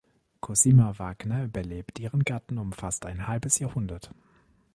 Cosima Wagner überlebt ihren Gatten um fast ein halbes Jahrhundert.